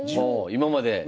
今まで。